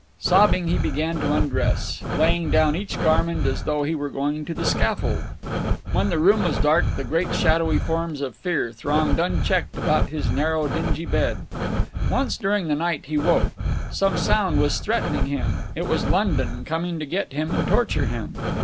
Sobbing, he began to undress, laying down each garment as though he were going to the scaffold. When the room was dark the great shadowy forms of fear thronged unchecked about his narrow dingy bed. Once during the night he woke. Some sound was threatening him. It was London, coming to get him and torture him.